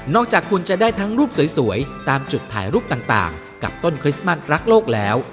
จากคุณจะได้ทั้งรูปสวยตามจุดถ่ายรูปต่างกับต้นคริสต์มัสรักโลกแล้ว